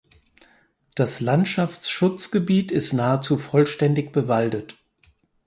Das Landschaftsschutzgebiet ist nahezu vollständig bewaldet.